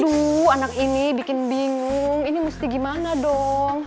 aduh anak ini bikin bingung ini mesti gimana dong